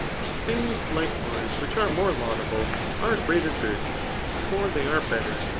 Things, likewise^ whkhare ^acnie laudable are greater goods ; for they are better.